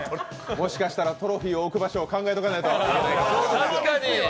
もしかしたらトロフィー置く場所を考えとかないと。